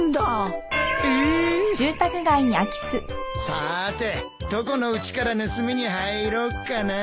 さーてどこのうちから盗みに入ろっかな。